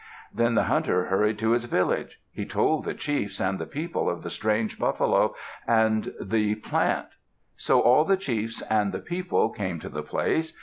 Then the hunter hurried to his village. He told the chiefs and the people of the strange buffalo and the plant. So all the chiefs and the people came to the place.